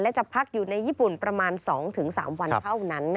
และจะพักอยู่ในญี่ปุ่นประมาณ๒๓วันเท่านั้น